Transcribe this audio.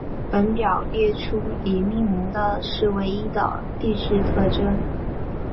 本表列出已命名的土卫一的地质特征。